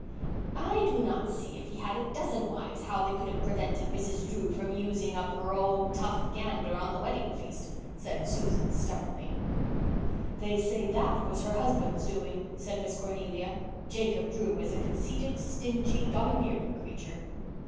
"I do not see if he had a dozen wives how they could have prevented Mrs. Drew from using up her tough old gander for the wedding feast," said Susan stubbornly. "They say that was her husband's doing," said Miss Cornelia. "Jacob Drew is a conceited, stingy, domineering creature."